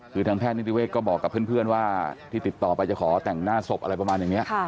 คือทางแพทย์นิติเวศก็บอกกับเพื่อนว่าที่ติดต่อไปจะขอแต่งหน้าศพอะไรประมาณอย่างนี้